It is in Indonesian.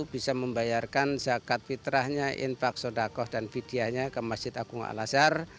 bisa membayarkan zakat fitrahnya infak sodakoh dan vidyanya ke masjid agung al azhar